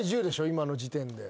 今の時点で。